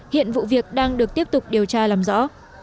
hiện vụ việc đang được tiếp tục điều tra làm rõ